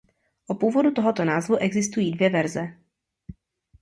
O původu tohoto názvu existují dvě verze.